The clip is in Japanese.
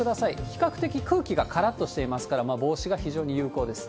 比較的空気がからっとしておりますから、帽子が非常に有効です。